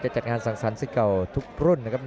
จัดงานสังสรรค์สิทธิ์เก่าทุกรุ่นนะครับ